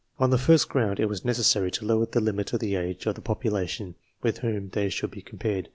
On the first ground, it was necessary to lower the limit of the age of the population with whom they should be compared.